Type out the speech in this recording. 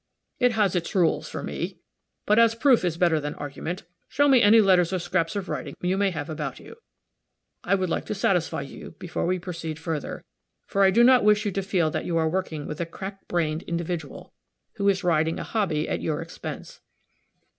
"It has its rules, for me. But as proof is better than argument, show me any letters or scraps of writing you may have about you. I would like to satisfy you, before we proceed further, for I do not wish you to feel that you are working with a crack brained individual, who is riding a hobby at your expense."